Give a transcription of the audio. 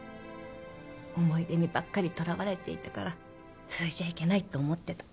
思い出にばっかりとらわれていたからそれじゃいけないって思ってた。